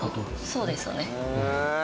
そうですね。